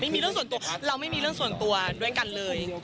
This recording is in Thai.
เรื่องส่วนตัวเราไม่มีเรื่องส่วนตัวด้วยกันเลย